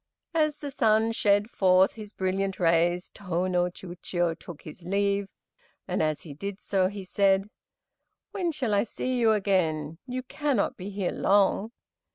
As the sun shed forth his brilliant rays Tô no Chiûjiô took his leave, and as he did so he said, "When shall I see you again, you cannot be here long?"